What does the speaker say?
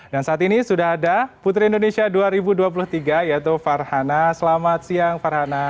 dan saat ini sudah ada putri indonesia dua ribu dua puluh tiga yaitu farhana selamat siang farhana